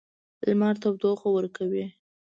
لمر تودوخه ورکوي.